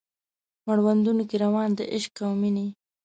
مړوندونو کې روان د عشق او میینې